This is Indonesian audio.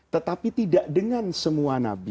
tetapi tidak dengan semua nabi